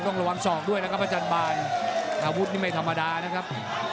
ต้องระวังศอกด้วยนะครับประจันบาลอาวุธนี่ไม่ธรรมดานะครับ